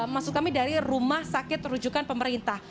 maksud kami dari rumah sakit rujukan pemerintah